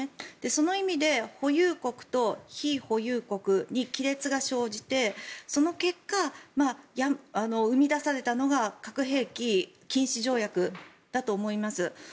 その意味で保有国と非保有国に亀裂が生じてその結果、生み出されたのが核兵器禁止条約だと思います。